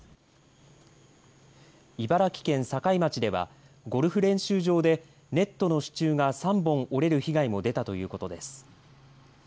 茨城県境町ではゴルフ練習場でネットの支柱が３本、折れる被害も出たということです。